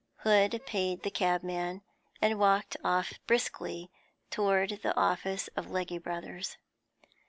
Hood paid the cabman, and walked off briskly towards the office of Legge Brothers.